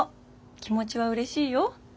気持ちはうれしいよ。